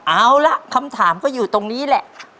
เอาละคำถามก็อยู่ตรงนี้แหละ